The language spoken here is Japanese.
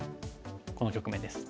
この局面です。